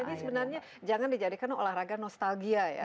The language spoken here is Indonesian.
ini sebenarnya jangan dijadikan olahraga nostalgia ya